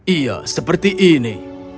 iya seperti ini